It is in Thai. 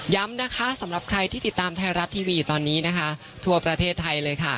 นะคะสำหรับใครที่ติดตามไทยรัฐทีวีอยู่ตอนนี้นะคะทั่วประเทศไทยเลยค่ะ